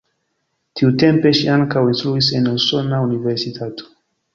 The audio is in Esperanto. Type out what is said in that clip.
Tiutempe ŝi ankaŭ instruis en usona universitato.